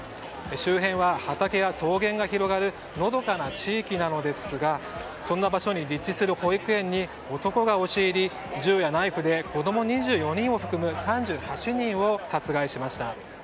周辺は畑や草原が広がるのどかな地域なのですがそんな場所に立地する保育園に男が押し入り銃やナイフで子供２４人を含む３８人を殺害しました。